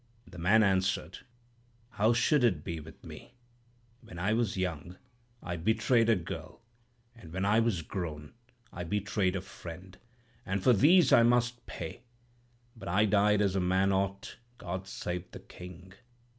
"The man answered, 'How should it be with me? When I was young, I betrayed a girl; and when I was grown, I betrayed a friend, and for these I must pay. But I died as a man ought. God save the King!'